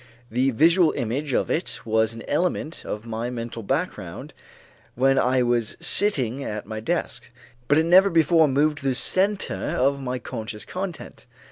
The visual image of it was an element of my mental background, when I was sitting at my desk, but it never before moved to the center of my conscious content.